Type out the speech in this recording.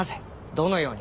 「どのように」